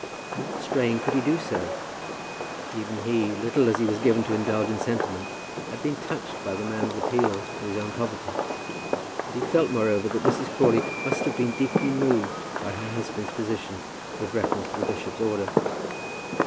In what strain could he do so? Even he, little as he was given to indulge in sentiment, had been touched by the man's appeal to his own poverty, and he felt, moreover, that Mrs. Crawley must have been deeply moved by her husband's position with reference to the bishop's order.